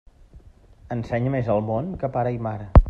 Ensenya més el món que pare i mare.